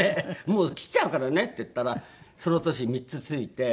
「もう切っちゃうからね？」って言ったらその年３つついて。